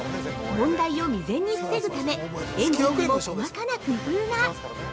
◆問題を未然に防ぐためエンジンにも細かな工夫が！